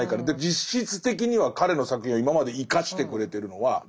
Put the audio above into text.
実質的には彼の作品を今まで生かしてくれてるのは読者だから。